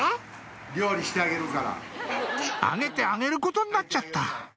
あげて揚げることになっちゃった